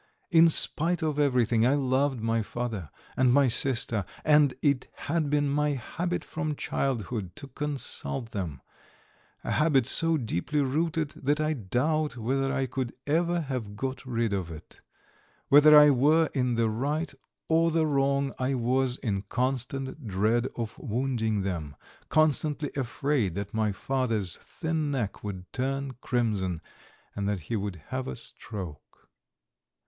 In spite of everything, I loved my father and my sister and it had been my habit from childhood to consult them a habit so deeply rooted that I doubt whether I could ever have got rid of it; whether I were in the right or the wrong, I was in constant dread of wounding them, constantly afraid that my father's thin neck would turn crimson and that he would have a stroke.